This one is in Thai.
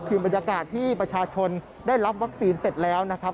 คือบรรยากาศที่ประชาชนได้รับวัคซีนเสร็จแล้วนะครับ